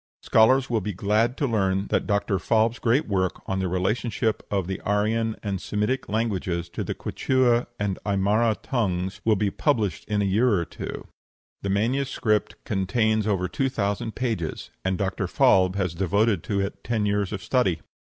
Scholars will be glad to learn that Dr. Falb's great work on the relationship of the Aryan and Semitic languages to the Quichua and Aimara tongues will be published in a year or two; the manuscript contains over two thousand pages, and Dr. Falb has devoted to it ten years of study.